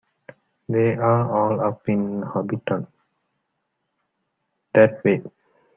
They are all up in Hobbiton, that way!